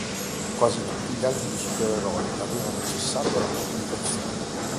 Quasi tutti gli albi di supereroi avevano cessato la pubblicazione.